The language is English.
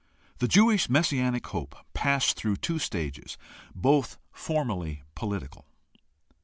The Jewish messianic hope passed through two stages, both formally political.